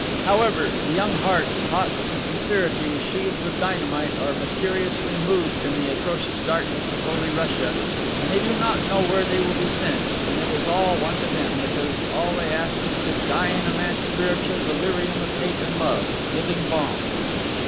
However, the young hearts hot with sincerity, sheathed with dynamite, are mysteriously moved in the atrocious darkness of Holy Russia, and they do not know where they will be sent, and it is all one to them, because all they ask is to die in a mad spiritual delirium of hate and love living bombs!